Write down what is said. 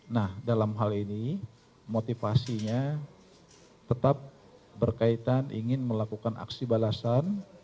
nah dalam hal ini motivasinya tetap berkaitan ingin melakukan aksi balasan